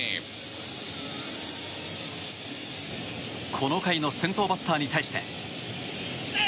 この回の先頭バッターに対して。